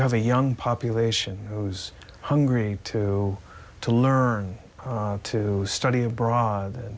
แม้เกี่ยวกับปกติที่อยู่ในภาคขอต้อนรับสร้างภาคและทำให้โลกดี